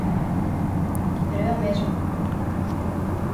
Pero é o mesmo.